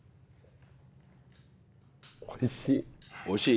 おいしい！